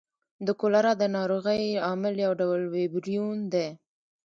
د کولرا د نارغۍ عامل یو ډول ویبریون دی.